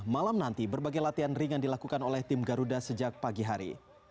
malam nanti berbagai latihan ringan dilakukan oleh tim garuda sejak pagi hari